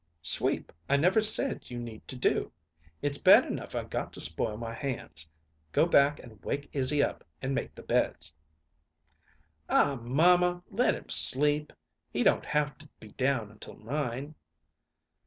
"Sweep I never said you need to do. It's bad enough I got to spoil my hands. Go back and wake Izzy up and make the beds." "Aw, mamma, let him sleep. He don't have to be down until nine."